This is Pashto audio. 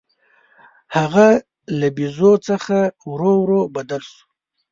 هغه له بیزو څخه ورو ورو بدل شو.